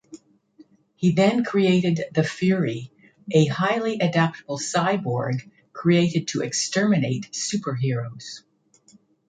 He then created The Fury, a highly adaptable cyborg created to exterminate superheroes.